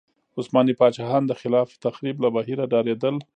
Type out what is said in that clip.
عثماني پاچاهان د خلاق تخریب له بهیره ډارېدل.